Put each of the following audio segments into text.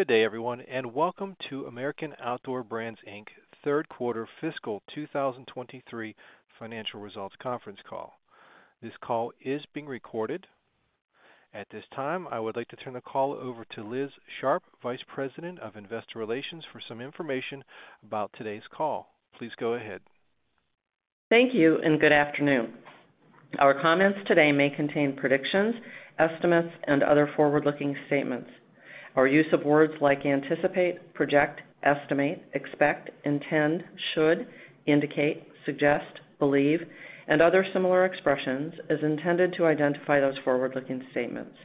Good day, everyone. Welcome to American Outdoor Brands, Inc. third quarter fiscal 2023 financial results conference call. This call is being recorded. At this time, I would like to turn the call over to Liz Sharp, Vice President of Investor Relations, for some information about today's call. Please go ahead. Thank you, and good afternoon. Our comments today may contain predictions, estimates, and other forward-looking statements. Our use of words like anticipate, project, estimate, expect, intend, should, indicate, suggest, believe, and other similar expressions is intended to identify those forward-looking statements.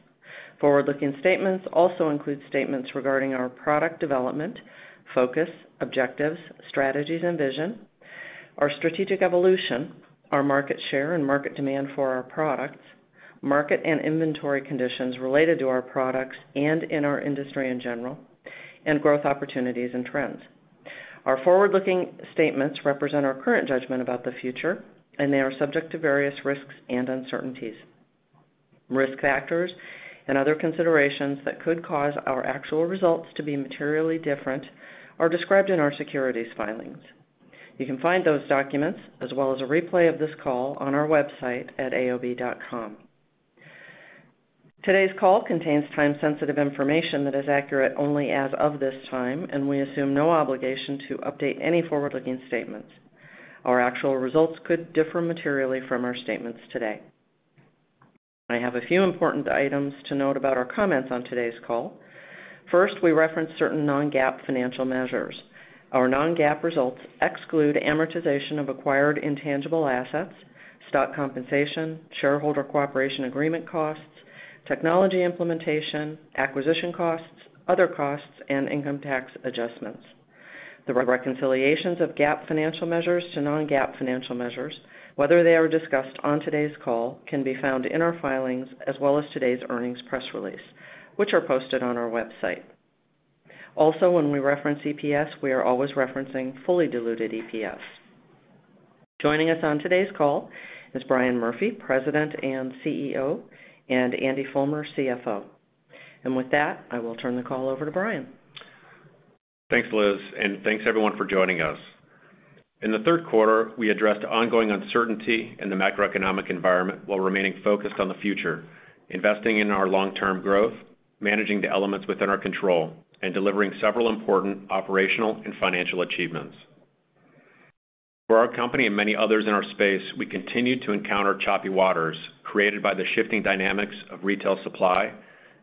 Forward-looking statements also include statements regarding our product development, focus, objectives, strategies and vision, our strategic evolution, our market share and market demand for our products, market and inventory conditions related to our products and in our industry in general, and growth opportunities and trends. Our forward-looking statements represent our current judgment about the future, and they are subject to various risks and uncertainties. Risk factors and other considerations that could cause our actual results to be materially different are described in our securities filings. You can find those documents as well as a replay of this call on our website at aob.com. Today's call contains time-sensitive information that is accurate only as of this time, and we assume no obligation to update any forward-looking statements. Our actual results could differ materially from our statements today. I have a few important items to note about our comments on today's call. First, we reference certain non-GAAP financial measures. Our non-GAAP results exclude amortization of acquired intangible assets, stock compensation, shareholder cooperation agreement costs, technology implementation, acquisition costs, other costs, and income tax adjustments. The reconciliations of GAAP financial measures to non-GAAP financial measures, whether they are discussed on today's call, can be found in our filings as well as today's earnings press release, which are posted on our website. When we reference EPS, we are always referencing fully diluted EPS. Joining us on today's call is Brian Murphy, President and CEO, and Andy Fulmer, CFO. With that, I will turn the call over to Brian. Thanks, Liz. Thanks everyone for joining us. In the 3rd quarter, we addressed ongoing uncertainty in the macroeconomic environment while remaining focused on the future, investing in our long-term growth, managing the elements within our control, and delivering several important operational and financial achievements. For our company and many others in our space, we continue to encounter choppy waters created by the shifting dynamics of retail supply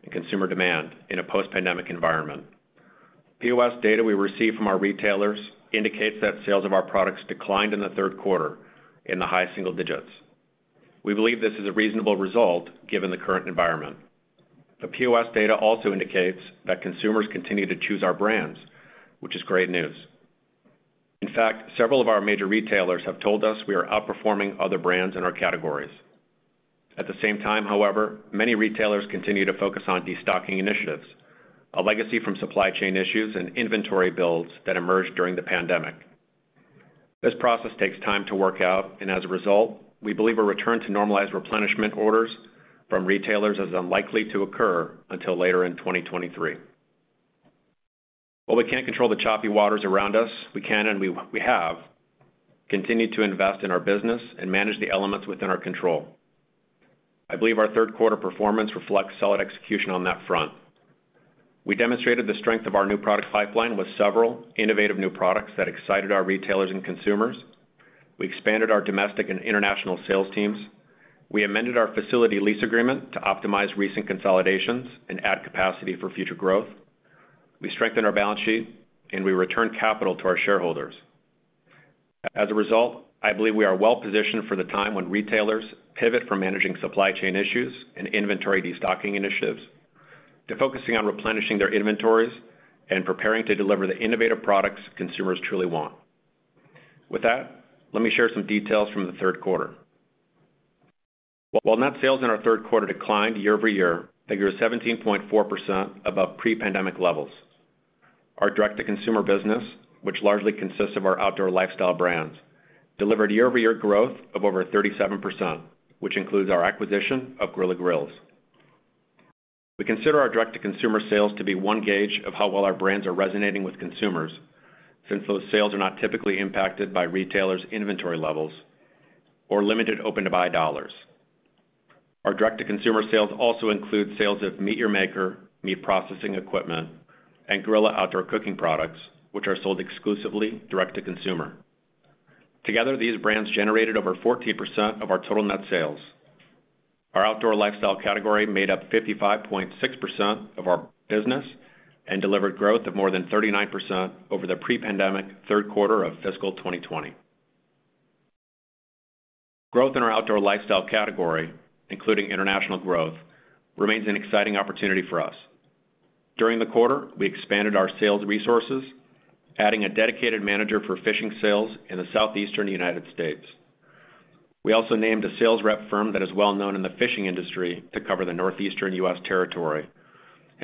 and consumer demand in a post-pandemic environment. POS data we receive from our retailers indicates that sales of our products declined in the 3rd quarter in the high single digits. We believe this is a reasonable result given the current environment. The POS data also indicates that consumers continue to choose our brands, which is great news. In fact, several of our major retailers have told us we are outperforming other brands in our categories. At the same time, however, many retailers continue to focus on destocking initiatives, a legacy from supply chain issues and inventory builds that emerged during the pandemic. As a result, we believe a return to normalized replenishment orders from retailers is unlikely to occur until later in 2023. While we can't control the choppy waters around us, we can and we have continued to invest in our business and manage the elements within our control. I believe our third quarter performance reflects solid execution on that front. We demonstrated the strength of our new product pipeline with several innovative new products that excited our retailers and consumers. We expanded our domestic and international sales teams. We amended our facility lease agreement to optimize recent consolidations and add capacity for future growth. We strengthened our balance sheet, and we returned capital to our shareholders. As a result, I believe we are well-positioned for the time when retailers pivot from managing supply chain issues and inventory destocking initiatives to focusing on replenishing their inventories and preparing to deliver the innovative products consumers truly want. With that, let me share some details from the third quarter. While net sales in our third quarter declined year-over-year, they grew 17.4% above pre-pandemic levels. Our direct-to-consumer business, which largely consists of our outdoor lifestyle brands, delivered year-over-year growth of over 37%, which includes our acquisition of Grilla Grills. We consider our direct-to-consumer sales to be one gauge of how well our brands are resonating with consumers since those sales are not typically impacted by retailers' inventory levels or limited open-to-buy dollars. Our direct-to-consumer sales also include sales of MEAT! Your Maker meat processing equipment and Grilla outdoor cooking products, which are sold exclusively direct to consumer. Together, these brands generated over 14% of our total net sales. Our outdoor lifestyle category made up 55.6% of our business and delivered growth of more than 39% over the pre-pandemic third quarter of fiscal 2020. Growth in our outdoor lifestyle category, including international growth, remains an exciting opportunity for us. During the quarter, we expanded our sales resources, adding a dedicated manager for fishing sales in the Southeastern U.S. We also named a sales rep firm that is well known in the fishing industry to cover the Northeastern U.S. territory.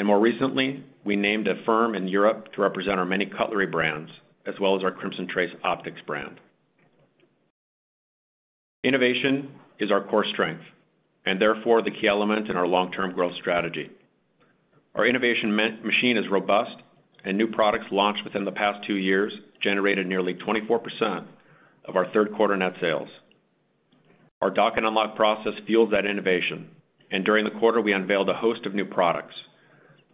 More recently, we named a firm in Europe to represent our many cutlery brands as well as our Crimson Trace Optics brand. Innovation is our core strength, and therefore the key element in our long-term growth strategy. Our innovation machine is robust, and new products launched within the past two years generated nearly 24% of our third quarter net sales. Our Dock and Unlock process fuels that innovation, and during the quarter, we unveiled a host of new products,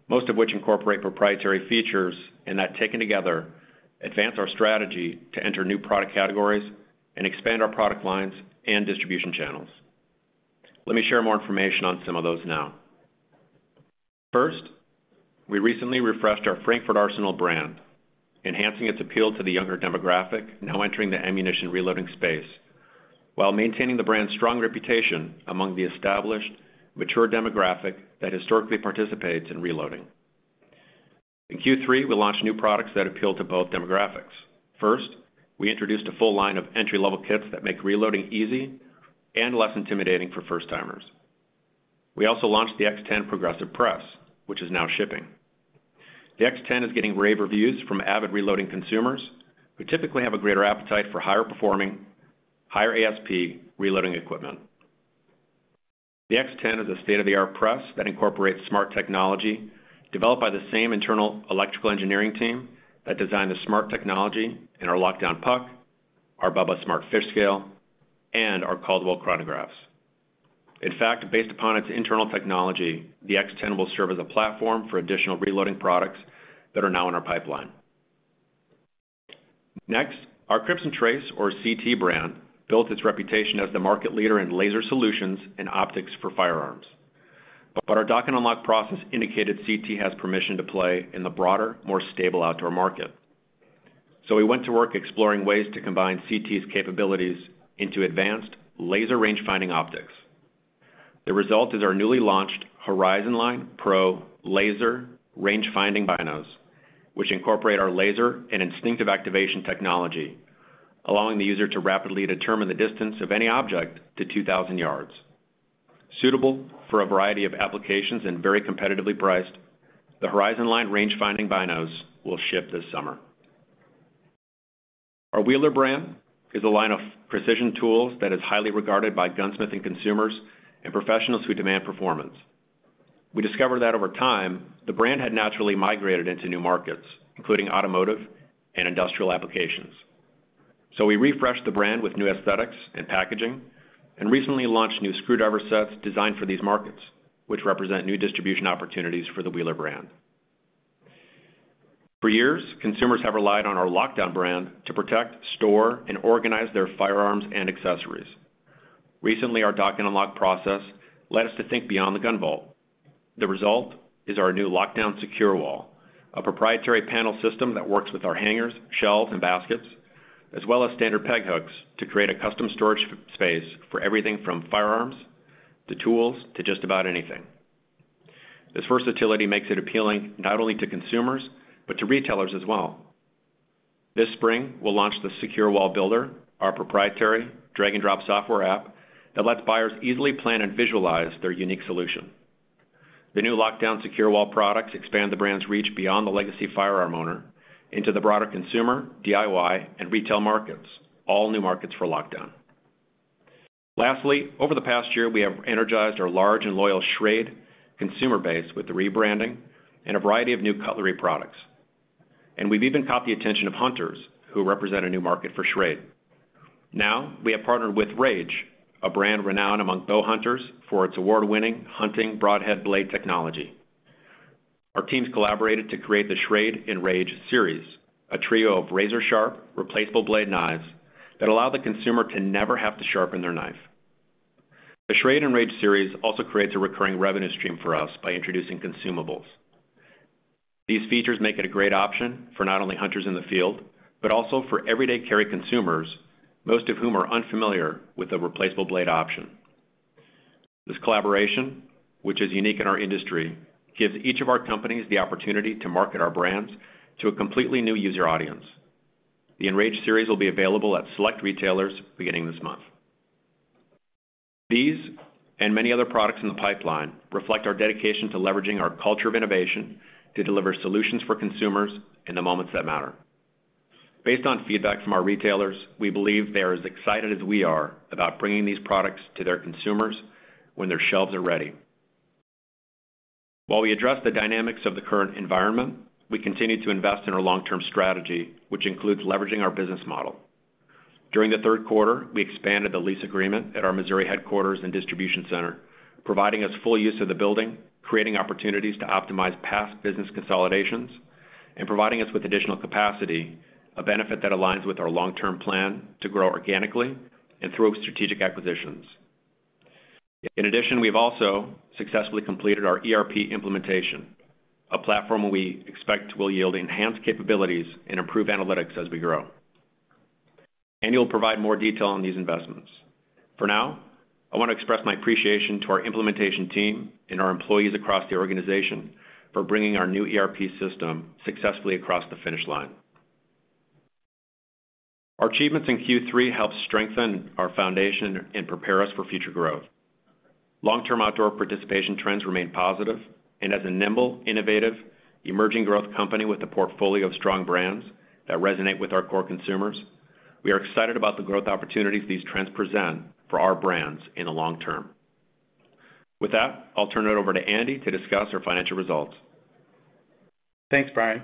most of which incorporate proprietary features, and that taken together advance our strategy to enter new product categories and expand our product lines and distribution channels. Let me share more information on some of those now. First, we recently refreshed our Frankford Arsenal brand, enhancing its appeal to the younger demographic now entering the ammunition reloading space while maintaining the brand's strong reputation among the established, mature demographic that historically participates in reloading. In Q3, we launched new products that appeal to both demographics. First, we introduced a full line of entry-level kits that make reloading easy and less intimidating for first-timers. We also launched the X-10 Progressive Press, which is now shipping. The X-10 is getting rave reviews from avid reloading consumers who typically have a greater appetite for higher performing, higher ASP reloading equipment. The X-10 is a state-of-the-art press that incorporates smart technology developed by the same internal electrical engineering team that designed the smart technology in our Lockdown Puck, our BUBBA Smart Fish Scale, and our Caldwell Chronographs. In fact, based upon its internal technology, the X-10 will serve as a platform for additional reloading products that are now in our pipeline. Our Crimson Trace, or CT brand, built its reputation as the market leader in laser solutions and optics for firearms. Our Dock and Unlock process indicated CT has permission to play in the broader, more stable outdoor market. We went to work exploring ways to combine CT's capabilities into advanced laser range finding optics. The result is our newly launched HorizonLine Pro Laser Range Finding Binos, which incorporate our laser and instinctive activation technology, allowing the user to rapidly determine the distance of any object to 2,000 yards. Suitable for a variety of applications and very competitively priced, the HorizonLine Range Finding Binos will ship this summer. Our Wheeler brand is a line of precision tools that is highly regarded by gunsmith and consumers and professionals who demand performance. We refreshed the brand with new aesthetics and packaging and recently launched new screwdriver sets designed for these markets, which represent new distribution opportunities for the Wheeler brand. For years, consumers have relied on our Lockdown brand to protect, store, and organize their firearms and accessories. Recently, our Dock and Unlock process led us to think beyond the gun vault. The result is our new Lockdown SecureWall, a proprietary panel system that works with our hangers, shelves, and baskets, as well as standard peg hooks to create a custom storage space for everything from firearms to tools to just about anything. This versatility makes it appealing not only to consumers, but to retailers as well. This spring, we'll launch the SecureWall Builder, our proprietary drag and drop software app that lets buyers easily plan and visualize their unique solution. The new Lockdown SecureWall products expand the brand's reach beyond the legacy firearm owner into the broader consumer, DIY, and retail markets, all new markets for Lockdown. Lastly, over the past year, we have energized our large and loyal Schrade consumer base with the rebranding and a variety of new cutlery products. We've even caught the attention of hunters who represent a new market for Schrade. We have partnered with Rage, a brand renowned among bow hunters for its award-winning hunting broadhead blade technology. Our teams collaborated to create the Schrade Enrage series, a trio of razor-sharp replaceable blade knives that allow the consumer to never have to sharpen their knife. The Schrade Enrage series also creates a recurring revenue stream for us by introducing consumables. These features make it a great option for not only hunters in the field, but also for everyday carry consumers, most of whom are unfamiliar with the replaceable blade option. This collaboration, which is unique in our industry, gives each of our companies the opportunity to market our brands to a completely new user audience. The Enrage series will be available at select retailers beginning this month. These and many other products in the pipeline reflect our dedication to leveraging our culture of innovation to deliver solutions for consumers in the moments that matter. Based on feedback from our retailers, we believe they're as excited as we are about bringing these products to their consumers when their shelves are ready. While we address the dynamics of the current environment, we continue to invest in our long-term strategy, which includes leveraging our business model. During the third quarter, we expanded the lease agreement at our Missouri headquarters and distribution center, providing us full use of the building, creating opportunities to optimize past business consolidations, and providing us with additional capacity, a benefit that aligns with our long-term plan to grow organically and through strategic acquisitions. In addition, we've also successfully completed our ERP implementation, a platform we expect will yield enhanced capabilities and improve analytics as we grow. Andy Fulmer will provide more detail on these investments. For now, I want to express my appreciation to our implementation team and our employees across the organization for bringing our new ERP system successfully across the finish line. Our achievements in Q3 help strengthen our foundation and prepare us for future growth. Long-term outdoor participation trends remain positive. As a nimble, innovative, emerging growth company with a portfolio of strong brands that resonate with our core consumers, we are excited about the growth opportunities these trends present for our brands in the long term. With that, I'll turn it over to Andy to discuss our financial results. Thanks, Brian.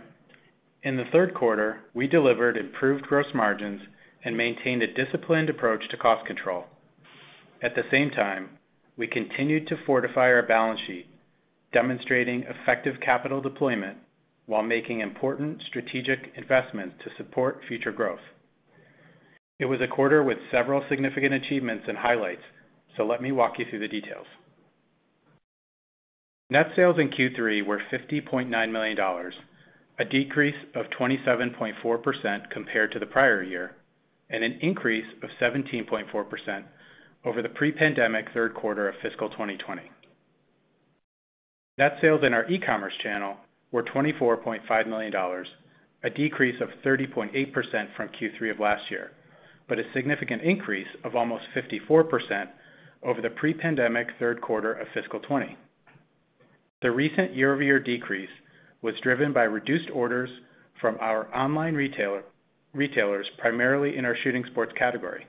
In the third quarter, we delivered improved gross margins and maintained a disciplined approach to cost control. At the same time, we continued to fortify our balance sheet, demonstrating effective capital deployment while making important strategic investments to support future growth. It was a quarter with several significant achievements and highlights. Let me walk you through the details. Net sales in Q3 were $50.9 million, a decrease of 27.4% compared to the prior year, and an increase of 17.4% over the pre-pandemic third quarter of fiscal 2020. Net sales in our e-commerce channel were $24.5 million, a decrease of 30.8% from Q3 of last year, but a significant increase of almost 54% over the pre-pandemic third quarter of fiscal 2020. The recent year-over-year decrease was driven by reduced orders from our online retailers, primarily in our shooting sports category.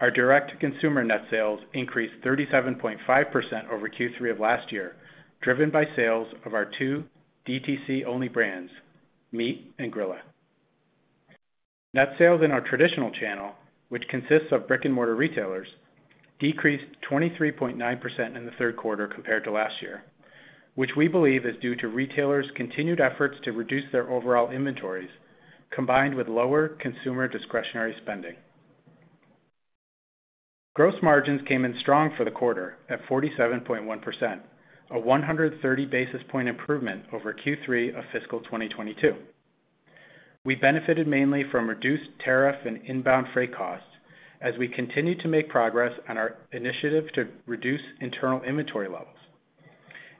Our direct-to-consumer net sales increased 37.5% over Q3 of last year, driven by sales of our two DTC-only brands, MEAT! Your Maker and Grilla. Net sales in our traditional channel, which consists of brick-and-mortar retailers, decreased 23.9% in the third quarter compared to last year, which we believe is due to retailers' continued efforts to reduce their overall inventories combined with lower consumer discretionary spending. Gross margins came in strong for the quarter at 47.1%, a 130 basis point improvement over Q3 of fiscal 2022. We benefited mainly from reduced tariff and inbound freight costs as we continued to make progress on our initiative to reduce internal inventory levels.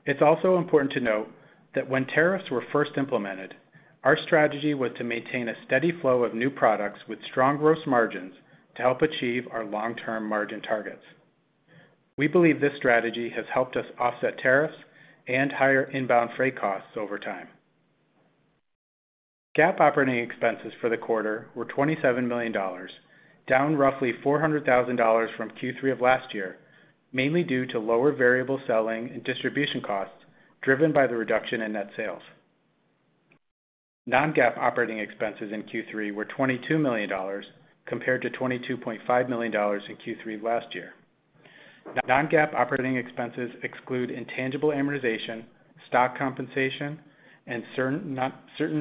It's also important to note that when tariffs were first implemented, our strategy was to maintain a steady flow of new products with strong gross margins to help achieve our long-term margin targets. We believe this strategy has helped us offset tariffs and higher inbound freight costs over time. GAAP operating expenses for the quarter were $27 million, down roughly $400,000 from Q3 of last year, mainly due to lower variable selling and distribution costs driven by the reduction in net sales. Non-GAAP operating expenses in Q3 were $22 million compared to $22.5 million in Q3 of last year. Non-GAAP operating expenses exclude intangible amortization, stock compensation, and certain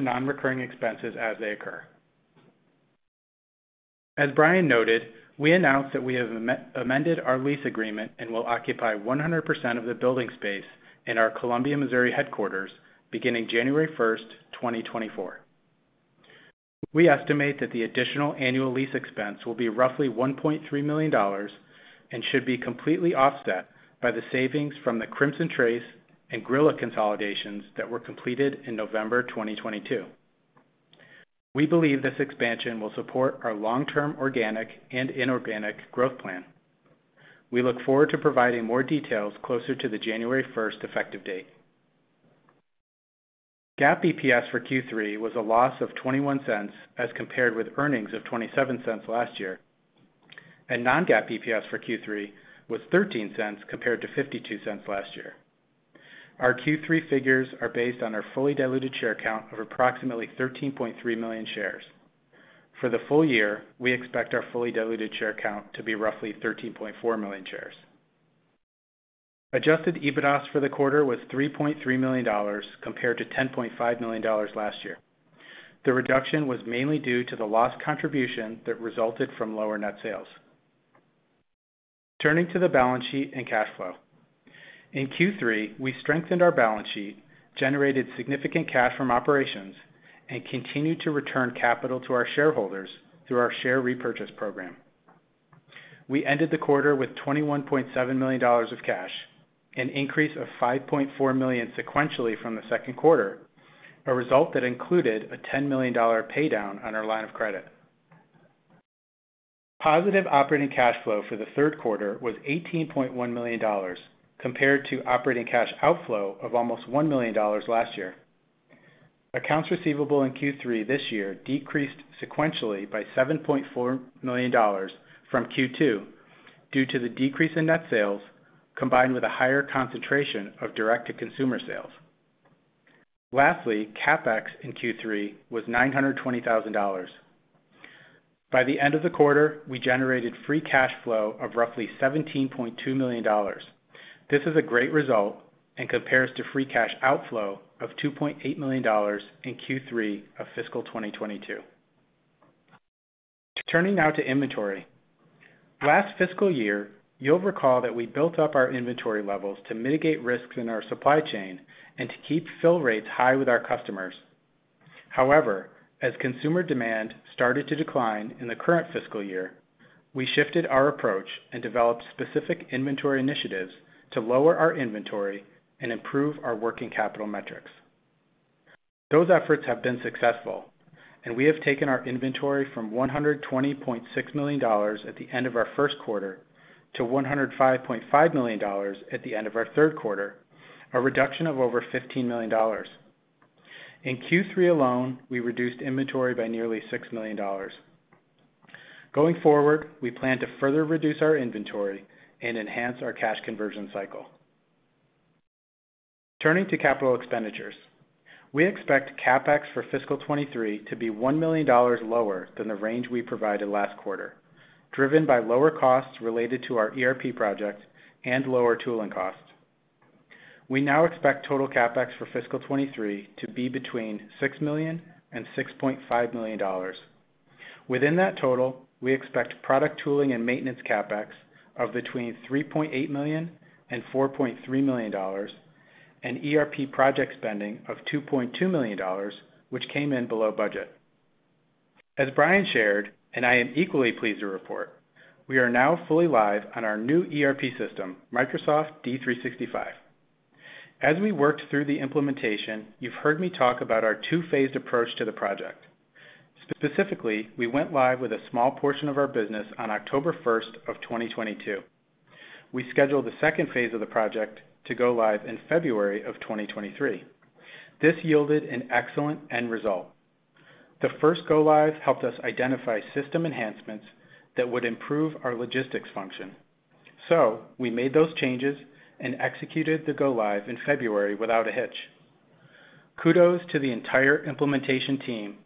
non-recurring expenses as they occur. As Brian noted, we announced that we have amended our lease agreement and will occupy 100% of the building space in our Columbia, Missouri headquarters beginning January first, 2024. We estimate that the additional annual lease expense will be roughly $1.3 million and should be completely offset by the savings from the Crimson Trace and Grilla consolidations that were completed in November 2022. We believe this expansion will support our long-term organic and inorganic growth plan. We look forward to providing more details closer to the January first effective date. GAAP EPS for Q3 was a loss of 0.21 as compared with earnings of 0.27 last year, and non-GAAP EPS for Q3 was 0.13 compared to 0.52 last year. Our Q3 figures are based on our fully diluted share count of approximately 13.3 million shares. For the full year, we expect our fully diluted share count to be roughly 13.4 million shares. adjusted EBITDA for the quarter was $3.3 million compared to $10.5 million last year. The reduction was mainly due to the loss contribution that resulted from lower net sales. Turning to the balance sheet and cash flow. In Q3, we strengthened our balance sheet, generated significant cash from operations, and continued to return capital to our shareholders through our share repurchase program. We ended the quarter with $21.7 million of cash, an increase of 5.4 million sequentially from the second quarter, a result that included a $10 million paydown on our line of credit. Positive operating cash flow for the third quarter was $18.1 million compared to operating cash outflow of almost $1 million last year. Accounts receivable in Q3 this year decreased sequentially by $7.4 million from Q2 due to the decrease in net sales combined with a higher concentration of direct-to-consumer sales. Lastly, CapEx in Q3 was $920,000. By the end of the quarter, we generated free cash flow of roughly $17.2 million. This is a great result and compares to free cash outflow of $2.8 million in Q3 of fiscal 2022. Turning now to inventory. Last fiscal year, you'll recall that we built up our inventory levels to mitigate risks in our supply chain and to keep fill rates high with our customers. As consumer demand started to decline in the current fiscal year, we shifted our approach and developed specific inventory initiatives to lower our inventory and improve our working capital metrics. Those efforts have been successful. We have taken our inventory from $120.6 million at the end of our first quarter to $105.5 million at the end of our third quarter, a reduction of over $15 million. In Q3 alone, we reduced inventory by nearly $6 million. Going forward, we plan to further reduce our inventory and enhance our cash conversion cycle. Turning to capital expenditures, we expect CapEx for fiscal 2023 to be $1 million lower than the range we provided last quarter, driven by lower costs related to our ERP project and lower tooling costs. We now expect total CapEx for fiscal 2023 to be between $6 million and $6.5 million. Within that total, we expect product tooling and maintenance CapEx of between $3.8 million and $4.3 million and ERP project spending of $2.2 million, which came in below budget. As Brian shared, I am equally pleased to report, we are now fully live on our new ERP system, Microsoft D365. As we worked through the implementation, you've heard me talk about our two-phased approach to the project. Specifically, we went live with a small portion of our business on October 1st of 2022. We scheduled the second phase of the project to go live in February of 2023. This yielded an excellent end result. The first go-live helped us identify system enhancements that would improve our logistics function. We made those changes and executed the go live in February without a hitch. Kudos to the entire implementation team,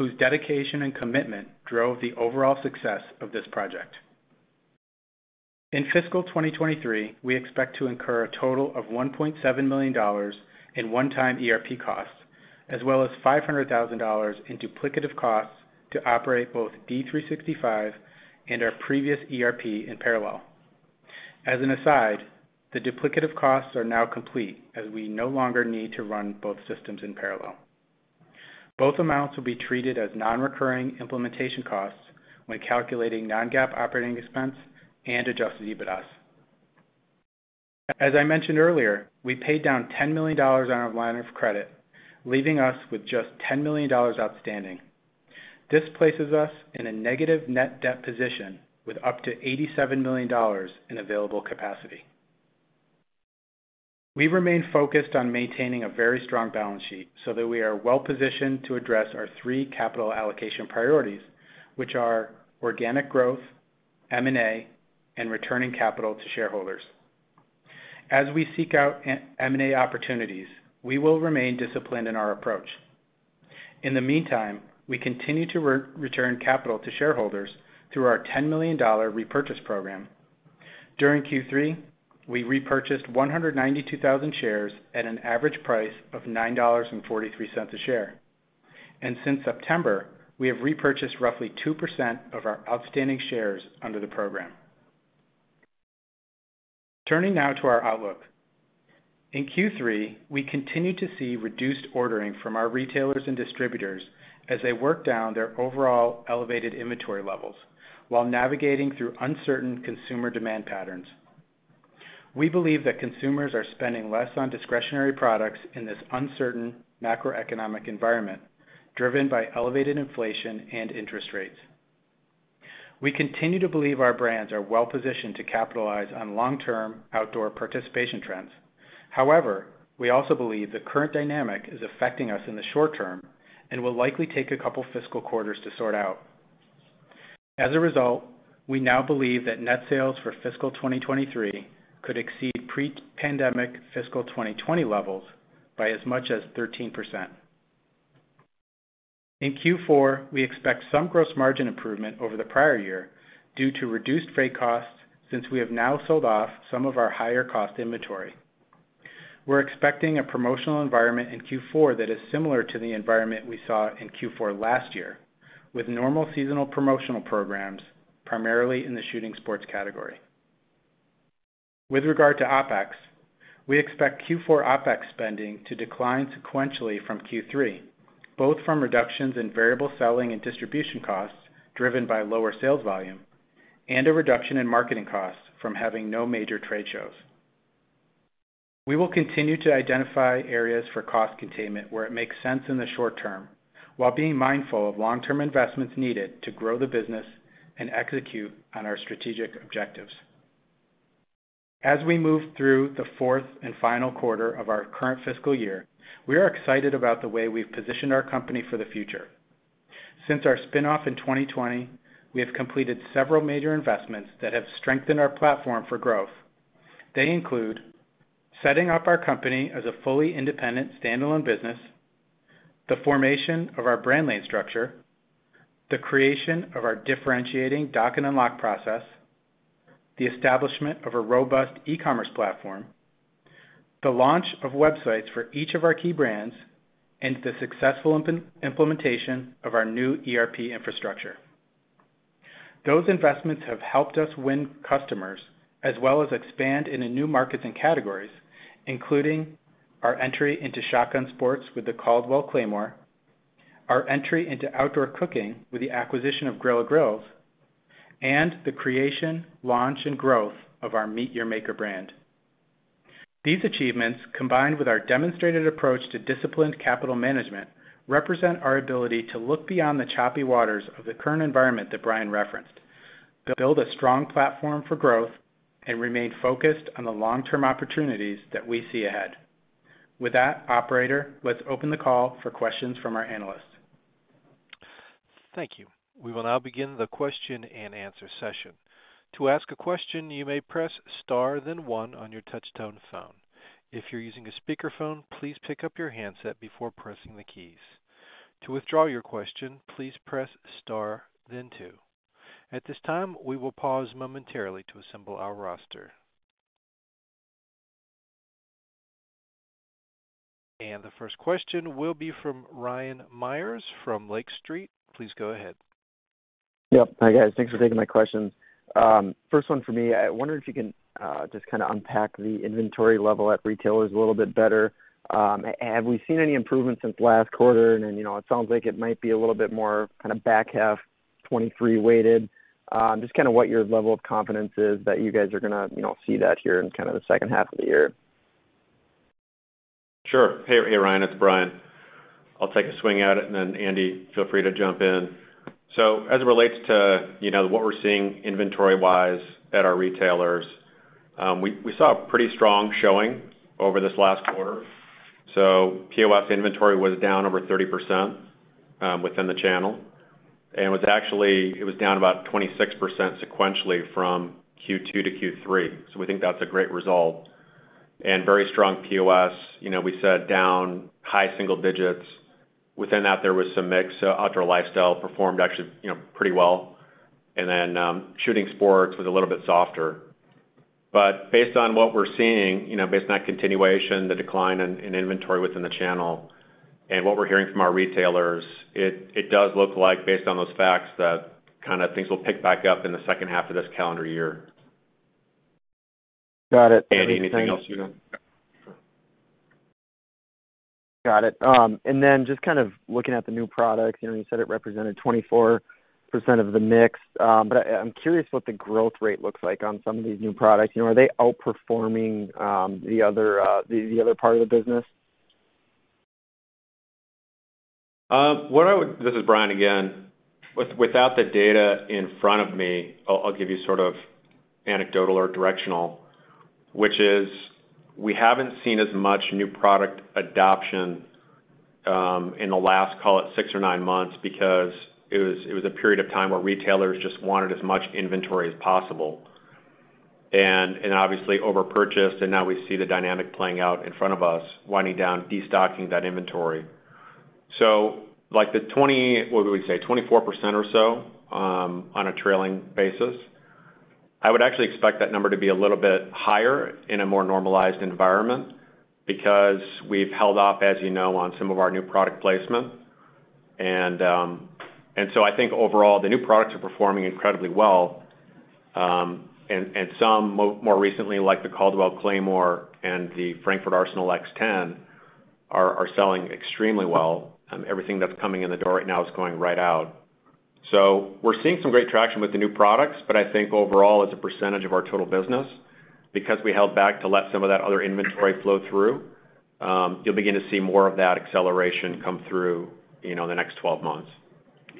whose dedication and commitment drove the overall success of this project. In fiscal 2023, we expect to incur a total of $1.7 million in one-time ERP costs, as well as $500,000 in duplicative costs to operate both D365 and our previous ERP in parallel. As an aside, the duplicative costs are now complete as we no longer need to run both systems in parallel. Both amounts will be treated as non-recurring implementation costs when calculating non-GAAP operating expense and adjusted EBITDA. As I mentioned earlier, we paid down $10 million on our line of credit, leaving us with just $10 million outstanding. This places us in a negative net debt position with up to $87 million in available capacity. We remain focused on maintaining a very strong balance sheet so that we are well-positioned to address our three capital allocation priorities, which are organic growth, M and A, and returning capital to shareholders. As we seek out M and A opportunities, we will remain disciplined in our approach. In the meantime, we continue to return capital to shareholders through our $10 million repurchase program. During Q3, we repurchased 192,000 shares at an average price of $9.43 a share. Since September, we have repurchased roughly 2% of our outstanding shares under the program. Turning now to our outlook. In Q3, we continued to see reduced ordering from our retailers and distributors as they worked down their overall elevated inventory levels while navigating through uncertain consumer demand patterns. We believe that consumers are spending less on discretionary products in this uncertain macroeconomic environment, driven by elevated inflation and interest rates. We continue to believe our brands are well-positioned to capitalize on long-term outdoor participation trends. However, we also believe the current dynamic is affecting us in the short term and will likely take a couple fiscal quarters to sort out. As a result, we now believe that net sales for fiscal 2023 could exceed pre-pandemic fiscal 2020 levels by as much as 13%. In Q4, we expect some gross margin improvement over the prior year due to reduced freight costs since we have now sold off some of our higher cost inventory. We're expecting a promotional environment in Q4 that is similar to the environment we saw in Q4 last year, with normal seasonal promotional programs, primarily in the shooting sports category. With regard to OpEx, we expect Q4 OpEx spending to decline sequentially from Q3, both from reductions in variable selling and distribution costs driven by lower sales volume and a reduction in marketing costs from having no major trade shows. We will continue to identify areas for cost containment where it makes sense in the short term while being mindful of long-term investments needed to grow the business and execute on our strategic objectives. As we move through the fourth and final quarter of our current fiscal year, we are excited about the way we've positioned our company for the future. Since our spin-off in 2020, we have completed several major investments that have strengthened our platform for growth. They include setting up our company as a fully independent standalone business, the formation of our brand lane structure, the creation of our differentiating Dock and Unlock process, the establishment of a robust e-commerce platform, the launch of websites for each of our key brands, and the successful implementation of our new ERP infrastructure. Those investments have helped us win customers, as well as expand into new markets and categories, including our entry into shotgun sports with the Caldwell Claymore. Our entry into outdoor cooking with the acquisition of Grilla Grills and the creation, launch, and growth of our MEAT! Your Maker brand. These achievements, combined with our demonstrated approach to disciplined capital management, represent our ability to look beyond the choppy waters of the current environment that Brian referenced, build a strong platform for growth, and remain focused on the long-term opportunities that we see ahead. Operator, let's open the call for questions from our analysts. Thank you. We will now begin the question-and-answer session. To ask a question, you may press Star then one on your touchtone phone. If you're using a speakerphone, please pick up your handset before pressing the keys. To withdraw your question, please press Star then two. At this time, we will pause momentarily to assemble our roster. The first question will be from Ryan Meyers from Lake Street. Please go ahead. Yep. Hi, guys. Thanks for taking my questions. First one for me. I wonder if you can just kinda unpack the inventory level at retailers a little bit better. Have we seen any improvement since last quarter? Then, you know, it sounds like it might be a little bit more kinda back half 2023 weighted. Just kinda what your level of confidence is that you guys are going to, you know, see that here in kinda the second half of the year. Sure. Hey, Ryan, it's Brian. I'll take a swing at it, and then Andy, feel free to jump in. As it relates to, you know, what we're seeing inventory-wise at our retailers, we saw a pretty strong showing over this last quarter. POS inventory was down over 30% within the channel, and it was down about 26% sequentially from Q2 to Q3. We think that's a great result. Very strong POS, you know, we said down high single digits. Within that, there was some mix. Outdoor lifestyle performed actually, you know, pretty well. Shooting sports was a little bit softer. Based on what we're seeing, you know, based on that continuation, the decline in inventory within the channel and what we're hearing from our retailers, it does look like based on those facts that kinda things will pick back up in the second half of this calendar year. Got it. Andy, anything else you want to... Got it. Then just kind of looking at the new products, you know, you said it represented 24% of the mix, but I'm curious what the growth rate looks like on some of these new products. You know, are they outperforming the other part of the business? This is Brian again. Without the data in front of me, I'll give you sort of anecdotal or directional, which is we haven't seen as much new product adoption in the last, call it six or nine months, because it was a period of time where retailers just wanted as much inventory as possible and obviously over-purchased, and now we see the dynamic playing out in front of us, winding down, destocking that inventory. So like, what did we say? 24% or so on a trailing basis, I would actually expect that number to be a little bit higher in a more normalized environment because we've held off, as you know, on some of our new product placement. So I think overall, the new products are performing incredibly well. More recently, like the Caldwell Claymore and the Frankford Arsenal X-10 are selling extremely well. Everything that's coming in the door right now is going right out. We're seeing some great traction with the new products, but I think overall as a percentage of our total business because we held back to let some of that other inventory flow through, you'll begin to see more of that acceleration come through, you know, in the next 12 months.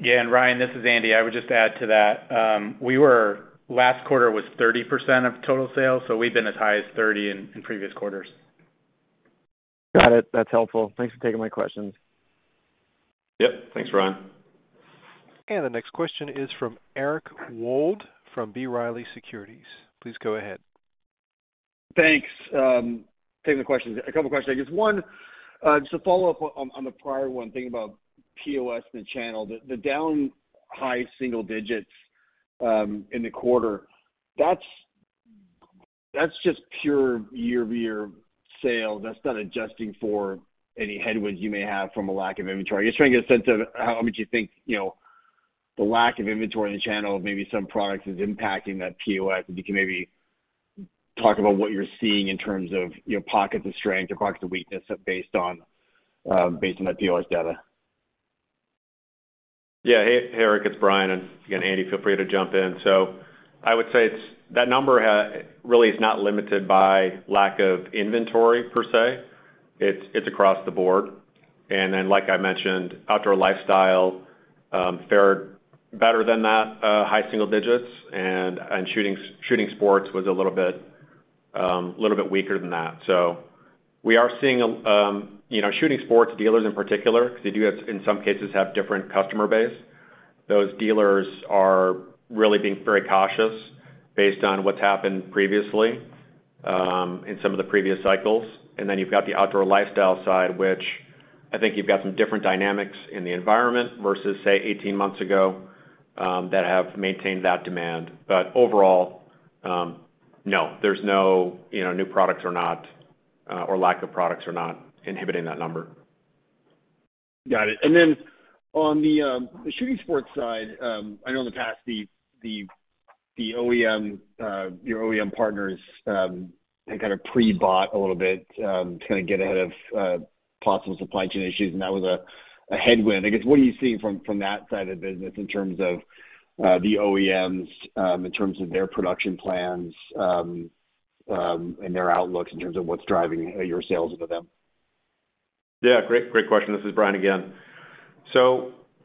Yeah, Ryan, this is Andy. I would just add to that, last quarter was 30% of total sales, so we've been as high as 30 in previous quarters. Got it. That's helpful. Thanks for taking my questions. Yep. Thanks, Ryan. The next question is from Eric Wold from B. Riley Securities. Please go ahead. Thanks. Taking the questions. A couple questions. I guess one, just to follow up on the prior one, thinking about POS in the channel, the down high single digits in the quarter. That's just pure year-over-year sales. That's not adjusting for any headwinds you may have from a lack of inventory. Just trying to get a sense of how much you think, you know, the lack of inventory in the channel of maybe some products is impacting that POS. If you can maybe talk about what you're seeing in terms of, you know, pockets of strength or pockets of weakness based on that POS data. Hey, Eric, it's Brian, again, Andy, feel free to jump in. I would say that number really is not limited by lack of inventory per se. It's across the board. Like I mentioned, outdoor lifestyle fared better than that, high single digits and shooting sports was a little bit weaker than that. We are seeing, you know, shooting sports dealers in particular, 'cause they do have, in some cases, have different customer base. Those dealers are really being very cautious based on what's happened previously, in some of the previous cycles. You've got the outdoor lifestyle side, which I think you've got some different dynamics in the environment versus, say, 18 months ago, that have maintained that demand. Overall, no, there's no, you know, new products or not, or lack of products are not inhibiting that number. Got it. On the shooting sports side, I know in the past the OEM, your OEM partners, they kind of pre-bought a little bit to kind of get ahead of possible supply chain issues, and that was a headwind. I guess, what are you seeing from that side of the business in terms of the OEMs, in terms of their production plans, and their outlooks in terms of what's driving your sales to them? Yeah, great question. This is Brian again.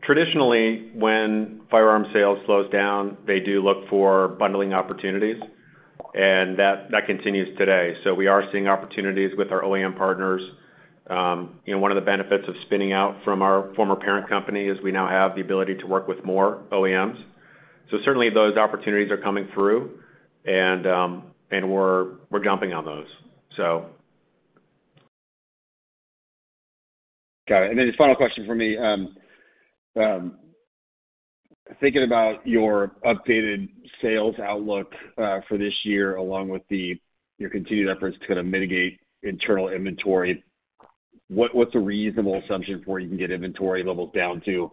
Traditionally, when firearm sales slows down, they do look for bundling opportunities, and that continues today. We are seeing opportunities with our OEM partners. you know, one of the benefits of spinning out from our former parent company is we now have the ability to work with more OEMs. Certainly those opportunities are coming through and we're jumping on those, so. Got it. Final question for me. Thinking about your updated sales outlook for this year, along with your continued efforts to kind of mitigate internal inventory, what's a reasonable assumption for where you can get inventory levels down to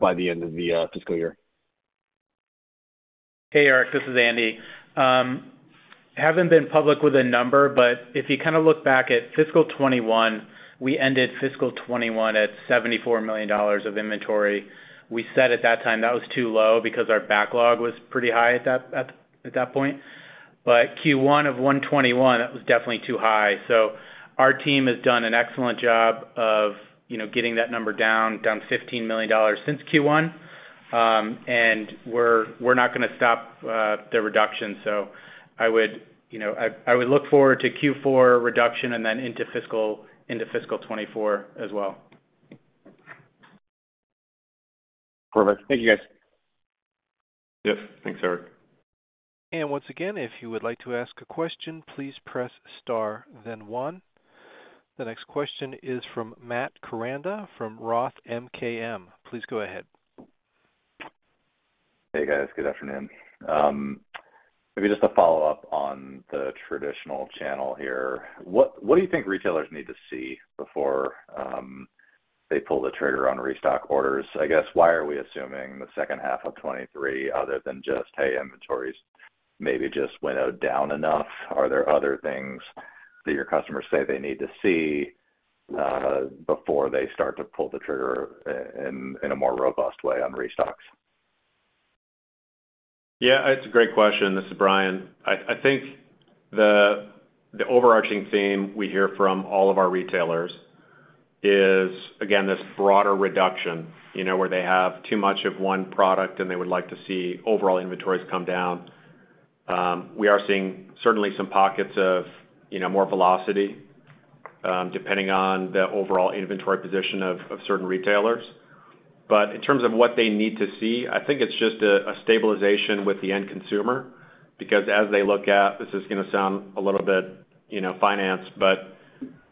by the end of the fiscal year? Hey, Eric, this is Andy. Haven't been public with a number, if you kind of look back at fiscal 2021, we ended fiscal 2021 at $74 million of inventory. We said at that time, that was too low because our backlog was pretty high at that point. Q1 of 2021, it was definitely too high. Our team has done an excellent job of, you know, getting that number down $15 million since Q1. We're not going to stop the reduction. I would, you know, I would look forward to Q4 reduction and then into fiscal 2024 as well. Perfect. Thank you, guys. Yep. Thanks, Eric. Once again, if you would like to ask a question, please press star then one. The next question is from Matt Koranda from Roth MKM. Please go ahead. Hey, guys. Good afternoon. Maybe just a follow-up on the traditional channel here. What do you think retailers need to see before they pull the trigger on restock orders? I guess, why are we assuming the second half of 23 other than just, hey, inventories maybe just winnowed down enough? Are there other things that your customers say they need to see before they start to pull the trigger in a more robust way on restocks? Yeah, it's a great question. This is Brian. I think the overarching theme we hear from all of our retailers is, again, this broader reduction, you know, where they have too much of one product and they would like to see overall inventories come down. We are seeing certainly some pockets of, you know, more velocity, depending on the overall inventory position of certain retailers. In terms of what they need to see, I think it's just a stabilization with the end consumer because as they look at. This is going to sound a little bit, you know, finance, but,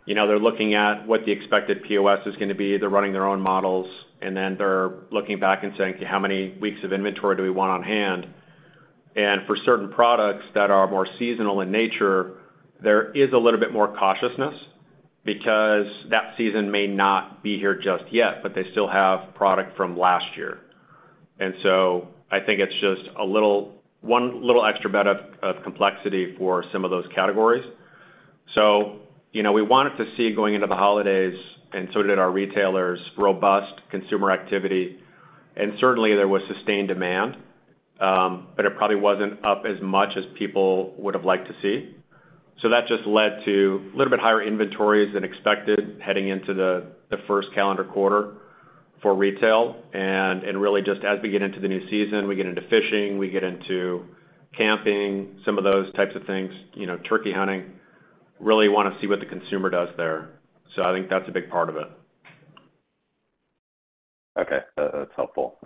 you know, they're looking at what the expected POS is going to be. They're running their own models, then they're looking back and saying, "How many weeks of inventory do we want on hand?" For certain products that are more seasonal in nature, there is a little bit more cautiousness because that season may not be here just yet, but they still have product from last year. I think it's just one little extra bit of complexity for some of those categories. You know, we wanted to see going into the holidays, and so did our retailers, robust consumer activity, and certainly, there was sustained demand, but it probably wasn't up as much as people would've liked to see. That just led to a little bit higher inventories than expected heading into the first calendar quarter for retail. Really just as we get into the new season, we get into fishing, we get into camping, some of those types of things, you know, turkey hunting, really want to see what the consumer does there. I think that's a big part of it. That's helpful.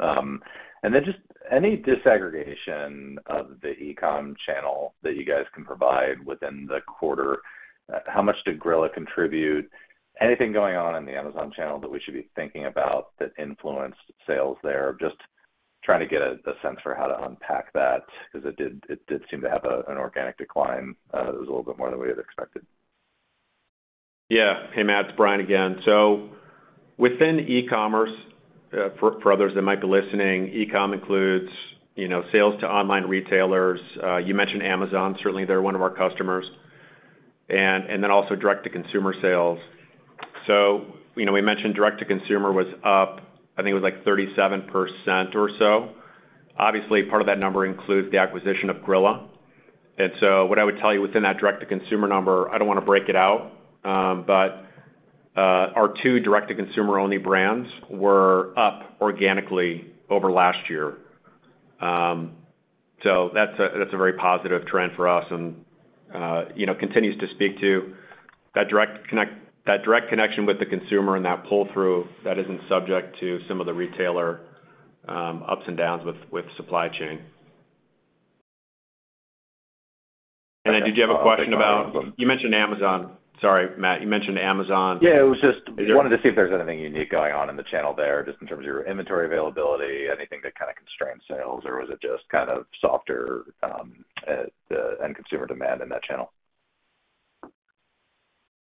Just any disaggregation of the e-com channel that you guys can provide within the quarter? How much did Grilla contribute? Anything going on in the Amazon channel that we should be thinking about that influenced sales there? Just trying to get a sense for how to unpack that because it did seem to have an organic decline. It was a little bit more than we had expected. Yeah. Hey, Matt, it's Brian again. Within e-commerce, for others that might be listening, e-com includes, you know, sales to online retailers. You mentioned Amazon, certainly they're one of our customers. Also direct-to-consumer sales. You know, we mentioned direct-to-consumer was up, I think it was like 37% or so. Obviously, part of that number includes the acquisition of Grilla. What I would tell you within that direct-to-consumer number, I don't want to break it out, but our two direct-to-consumer only brands were up organically over last year. That's a very positive trend for us and, you know, continues to speak to that direct connection with the consumer and that pull-through that isn't subject to some of the retailer, ups and downs with supply chain. You mentioned Amazon. Sorry, Matt, you mentioned Amazon. Yeah, it was just-. Is there- Wanted to see if there's anything unique going on in the channel there, just in terms of your inventory availability, anything that kind of constrained sales, or was it just kind of softer, end consumer demand in that channel?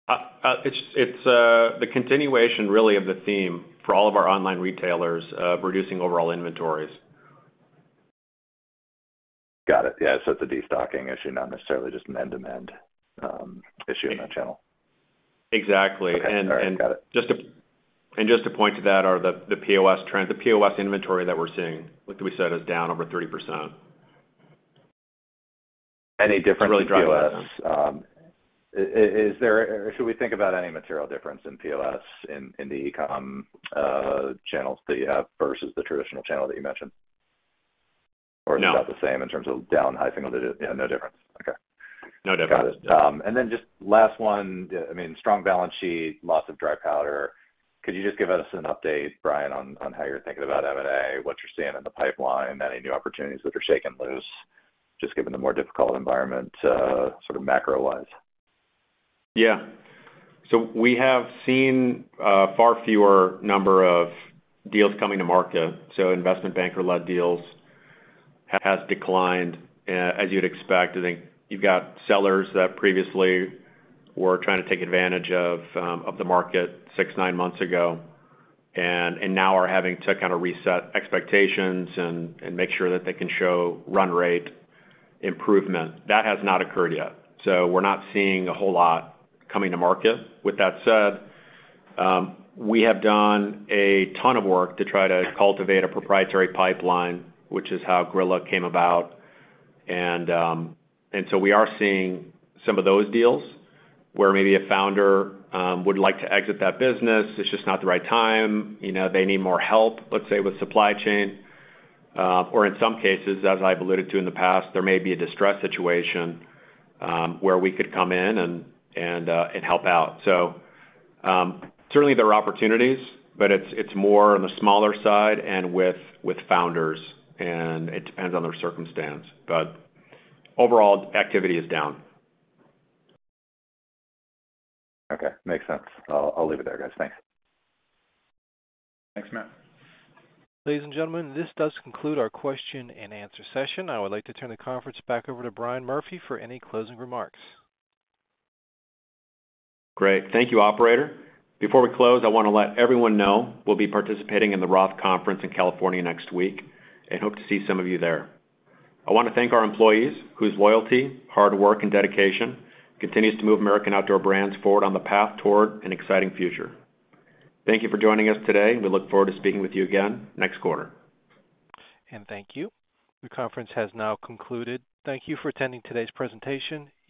It's the continuation really of the theme for all of our online retailers of reducing overall inventories. Got it. Yeah, it's a destocking issue, not necessarily just an end-to-end issue in that channel. Exactly. Okay. All right. Got it. just to point to that are the POS trends. The POS inventory that we're seeing, like we said, is down over 30%. Any difference in POS, Or should we think about any material difference in POS in the e-com channels, the versus the traditional channel that you mentioned? No. Is it about the same in terms of down? Yeah, no difference. Okay. No difference. Got it. Just last one, I mean, strong balance sheet, lots of dry powder. Could you just give us an update, Brian, on how you're thinking about M and A, what you're seeing in the pipeline, any new opportunities that are shaking loose, just given the more difficult environment, sort of macro-wise? We have seen a far fewer number of deals coming to market. Investment banker-led deals has declined, as you'd expect. I think you've got sellers that previously were trying to take advantage of the market six, nine months ago, and now are having to kind of reset expectations and make sure that they can show run rate improvement. That has not occurred yet. We're not seeing a whole lot coming to market. With that said, we have done a ton of work to try to cultivate a proprietary pipeline, which is how Grilla came about. We are seeing some of those deals where maybe a founder would like to exit that business. It's just not the right time. You know, they need more help, let's say, with supply chain. Or in some cases, as I've alluded to in the past, there may be a distressed situation, where we could come in and help out. Certainly there are opportunities, but it's more on the smaller side and with founders, and it depends on their circumstance. Overall, activity is down. Okay. Makes sense. I'll leave it there, guys. Thanks. Thanks, Matt. Ladies and gentlemen, this does conclude our question-and-answer session. I would like to turn the conference back over to Brian Murphy for any closing remarks. Great. Thank you, operator. Before we close, I want to let everyone know we'll be participating in the Roth Conference in California next week, and hope to see some of you there. I want to thank our employees whose loyalty, hard work, and dedication continues to move American Outdoor Brands forward on the path toward an exciting future. Thank you for joining us today. We look forward to speaking with you again next quarter. Thank you. The conference has now concluded. Thank you for attending today's presentation. You may.